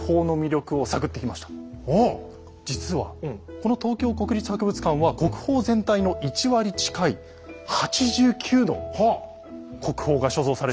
実はこの東京国立博物館は国宝全体の１割近い８９の国宝が所蔵されているんですね。